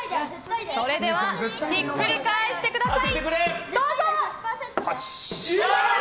それではひっくり返してください！